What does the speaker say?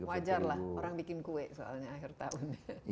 wajar lah orang bikin kue soalnya akhir tahun